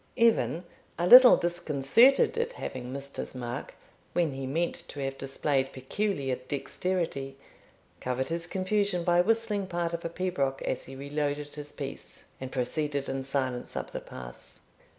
Evan, a little disconcerted at having missed his mark, when he meant to have displayed peculiar dexterity, covered his confusion by whistling part of a pibroch as he reloaded his piece, and proceeded in silence up the pass.